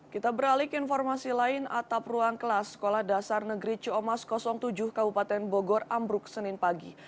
kita beralih ke informasi lain atap ruang kelas sekolah dasar negeri ciomas tujuh kabupaten bogor ambruk senin pagi